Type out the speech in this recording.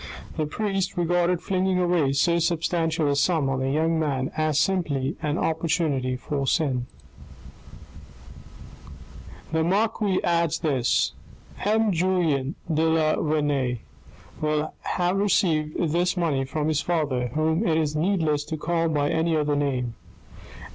(The priest regarded flinging away so substantial a sum on a young man as simply an opportunity for sin). 460 THE RED AND THE BLACK " The marquis adds this :' M. Julien de la Vernaye will have received this money from his father, whom it is needless to call by any other name.